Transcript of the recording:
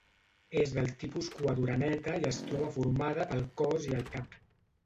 És del tipus cua d'oreneta i es troba formada pel cos i el cap.